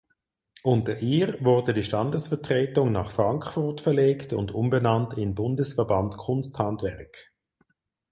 Unter ihr wurde die Standesvertretung nach Frankfurt verlegt und umbenannt in „Bundesverband Kunsthandwerk“.